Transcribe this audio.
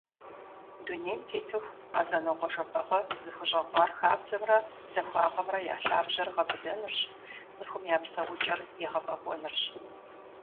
Дунейм тетыху, Къэзэнокъуэ Жэбагъы зыхущӏэкъуар хабзэмрэ захуагъэмрэ я лъабжьэр гъэбыдэнырщ, цӏыхум я псэукӏэр егъэфӏэкӏуэнырщ.